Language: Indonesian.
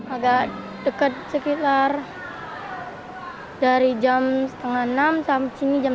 agak dekat sekitar dari jam setengah enam sampai sini jam dua